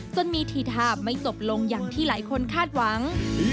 จนมีทีท่าไม่จบลงอย่างที่หลายคนคาดหวัง